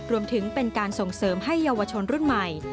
รวมถึงเป็นการส่งเสริมให้เยาวชนรุ่นใหม่